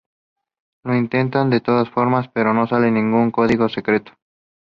Lo intentan de todas formas, pero no sale ningún código secreto.